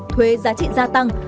thuế giá trị gia tăng